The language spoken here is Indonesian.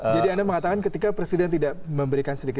jadi anda mengatakan ketika presiden tidak memberikan sedikit